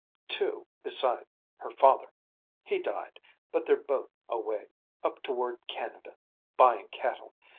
"Two beside her father. He died; but they're both away, up toward Canada, buying cattle.